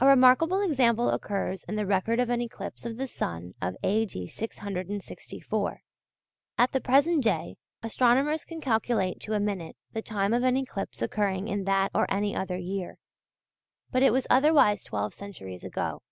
A remarkable example occurs in the record of an eclipse of the sun of A.D. 664. At the present day astronomers can calculate to a minute the time of an eclipse occurring in that or any other year. But it was otherwise twelve centuries ago.